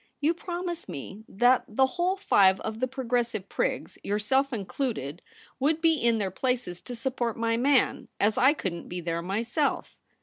You promised me that the whole five of the Progressive Prigs, your TOMMY TRESSEL. 127 self included, would be in their places to support my man — as I couldn't be there myself.'